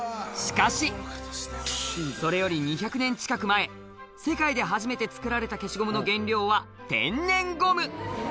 しかし、それより２００年近く前、世界で初めて作られた消しゴムの原料は天然ゴム。